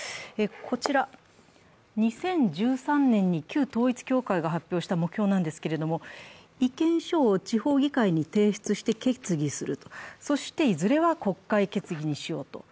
こちら２０１３年に旧統一教会が発表した目標なんですが、意見書を地方議会に提出して決議する、そして、いずれは国会決議にしようと。